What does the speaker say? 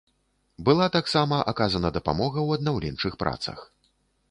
Была таксама аказана дапамога ў аднаўленчых працах.